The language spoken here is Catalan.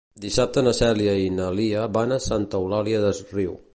Dissabte na Cèlia i na Lia van a Santa Eulària des Riu.